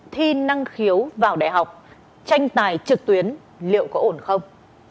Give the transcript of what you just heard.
thi năng khiếu vào đại học tranh tài trực tuyến liệu có ổn không